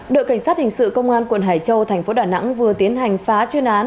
đội cảnh sát hình sự công an quận hải châu thành phố đà nẵng vừa tiến hành phá chuyên án